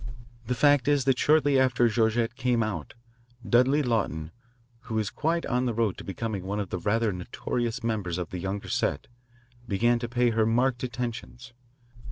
The fact is that shortly after Georgette 'came out,' Dudley Lawton, who is quite on the road to becoming one of the rather notorious members of the younger set, began to pay her marked attentions.